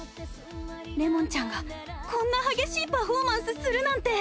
れもんちゃんがこんな激しいパフォーマンスするなんて。